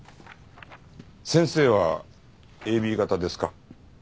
先生はＡＢ型ですか？